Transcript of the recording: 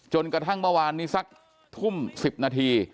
จนกระทั่งเมื่อวานนี้สักทุ่ม๑๐นาที